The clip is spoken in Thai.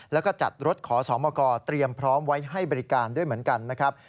แล้วก็จัดรถขอสมกเตรียมพร้อมไว้ให้บริการด้วยเหมือนกันนะครับ